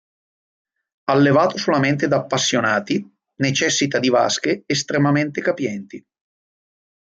Allevato solamente da appassionati, necessita di vasche estremamente capienti.